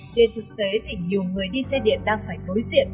trên thực tế thì nhiều người đi xe điện đang phải đối diện